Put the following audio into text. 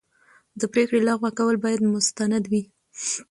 د پرېکړې لغوه کول باید مستند وي.